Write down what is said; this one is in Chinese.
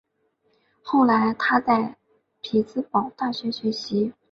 后来他在匹兹堡大学学习。